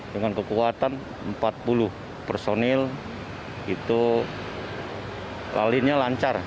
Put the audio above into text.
dengan kekuatan empat puluh personil itu lalinnya lancar